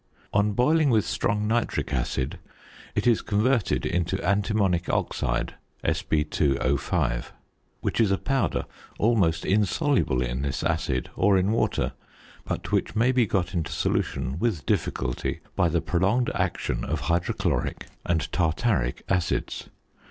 On boiling with strong nitric acid it is converted into antimonic oxide (Sb_O_), which is a powder almost insoluble in this acid or in water, but which may be got into solution with difficulty by the prolonged action of hydrochloric and tartaric acids.